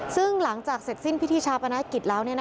ซึ่งหลังจากเสร็จสิ้นพิธีชาปนกิจแล้ว